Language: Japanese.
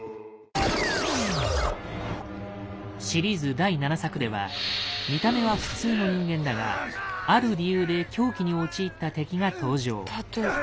シリーズ第７作では見た目は普通の人間だがある理由で狂気に陥った敵が登場。